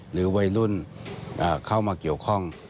หรือวัยรุ่นเข้ามาเกี่ยวข้อง